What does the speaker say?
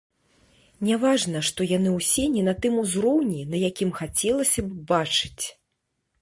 Не важна, што яны ўсе не на тым узроўні, на якім хацелася б бачыць.